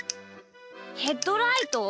ヘッドライト？